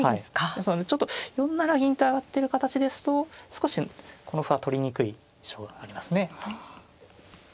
ですのでちょっと４七銀と上がってる形ですと少しこの歩は取りにくい印象がありますね。